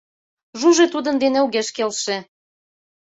Жужи тудын дене огеш келше: